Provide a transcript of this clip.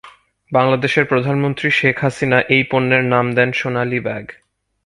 বাংলাদেশের প্রধানমন্ত্রী শেখ হাসিনা এই পণ্যের নাম দেন সোনালী ব্যাগ।